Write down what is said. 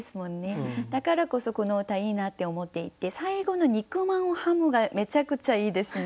だからこそこの歌いいなって思っていて最後の「肉まんを食む」がめちゃくちゃいいですね。